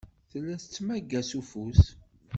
Tella tettmagga s ufus.